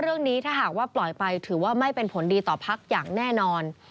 เรื่องนี้ถ้าหากว่าปล่อยไปถือว่าไม่เป็นผลดีต่อพักอย่างแน่นอน